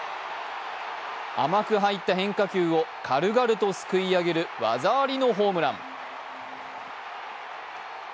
甘く入った変化球を軽々とすくい上げる技ありのホームラン。